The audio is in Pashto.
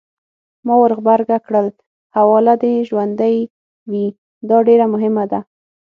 ما ورغبرګه کړل: حواله دې ژوندۍ وي! دا ډېره مهمه ده.